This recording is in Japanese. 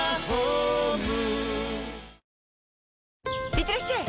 いってらっしゃい！